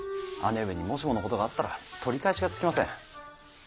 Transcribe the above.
姉上にもしものことがあったら取り返しがつきません。